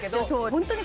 ホントに。